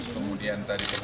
kemudian tadi kebun